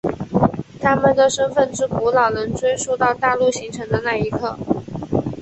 他们身份之古老能追溯到大陆形成的那一刻。